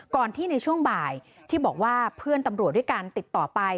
ก่อนที่ในช่วงบ่ายที่บอกว่าเพื่อนตำรวจด้วยการติดต่อไป